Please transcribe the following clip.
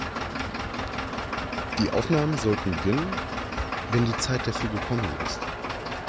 Die Aufnahmen sollten beginnen, „wenn die Zeit dafür gekommen ist“.